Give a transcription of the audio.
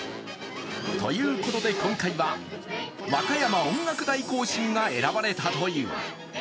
ということで今回は和歌山音楽大行進が選ばれたという。